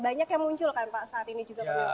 banyak yang muncul kan pak saat ini juga